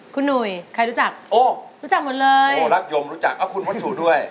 คุณหนุ่ยใครรู้จักโอ้รู้จักหมดเลยโอ้รักยมรู้จักเอาคุณวัตถุด้วย